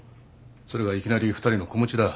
それがいきなり２人の子持ちだ。